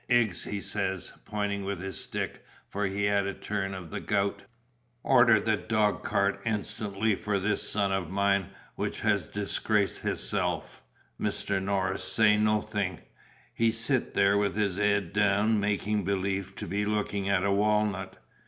''Iggs,' he says, pointing with his stick, for he had a turn of the gout, 'order the dog cart instantly for this son of mine which has disgraced hisself.' Mr. Norris say nothink: he sit there with his 'ead down, making belief to be looking at a walnut.